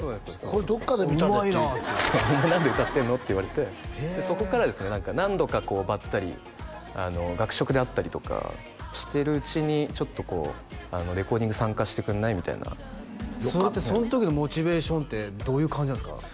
これどっかで見たでっていうそうお前何で歌ってんの？って言われてそこからですね何か何度かこうばったり学食で会ったりとかしてるうちにちょっとこうレコーディング参加してくんない？みたいなそれってその時のモチベーションってどういう感じなんですか？